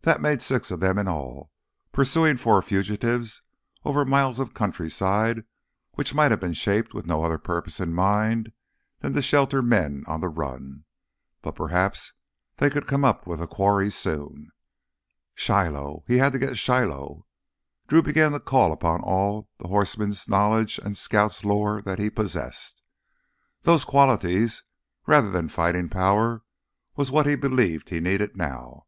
That made six of them in all, pursuing four fugitives over miles of countryside which might have been shaped with no other purpose in mind than to shelter men on the run. But perhaps they could come up with the quarry soon.... Shiloh! He had to get Shiloh! Drew began to call upon all the horseman's knowledge and scout's lore that he possessed. Those qualities, rather than fighting power, were what he believed he needed now.